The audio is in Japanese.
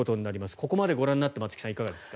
ここまでご覧になって松木さん、いかがですか？